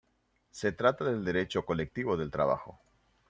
Se trata del derecho colectivo del trabajo.